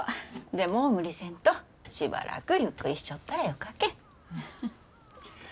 でも無理せんとしばらくゆっくりしちょったらよかけん。